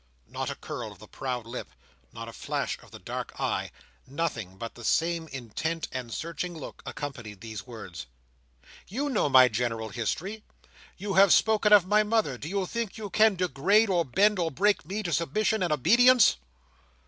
Not a curl of the proud lip, not a flash of the dark eye, nothing but the same intent and searching look, accompanied these words. "You know my general history. You have spoken of my mother. Do you think you can degrade, or bend or break, me to submission and obedience?"